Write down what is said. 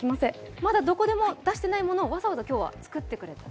まだどこでも出していないものをわざわざ今日は作っていただけたと。